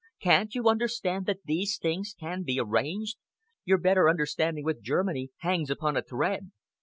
Can't you understand that these things can be arranged? Your better understanding with Germany hangs upon a thread.